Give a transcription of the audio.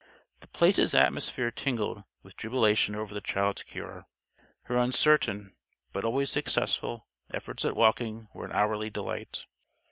The Place's atmosphere tingled with jubilation over the child's cure. Her uncertain, but always successful, efforts at walking were an hourly delight.